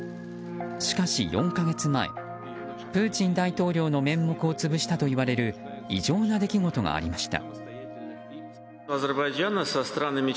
しかし４か月前プーチン大統領の面目を潰したといわれる異常な出来事がありました。